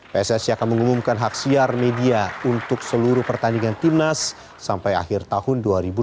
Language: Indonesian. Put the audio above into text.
pssi akan mengumumkan hak siar media untuk seluruh pertandingan timnas sampai akhir tahun dua ribu dua puluh